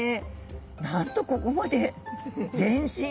なんとここまで全身。